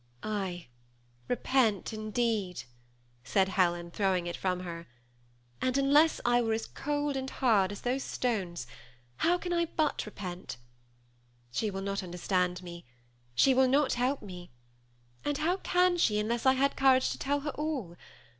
<^Av, repent indeed," said Helen, throwing it from THE SEMI ATTACHED COUPLE. 29 her ;'^ and unless I were as cold and as hard as those stones, how can I but repent ? She will not understand me ; she will not help me ; and how can she unless I had courage to tell her all